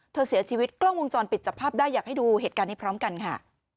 เธอเสียชีวิตกล้องวงจรปิดจับภาพได้อยากให้ดูเหตุการณ์นี้พร้อมกันค่ะ